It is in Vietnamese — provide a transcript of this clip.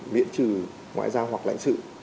miễn trừ ngoại giao hoặc lãnh sự